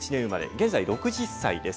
現在６０歳です。